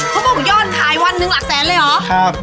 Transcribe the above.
เขาบอกยอดทายวันนึงหลักแสนเลยหรอครับ